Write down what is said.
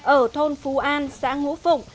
ở thôn phú an xã ngũ phụng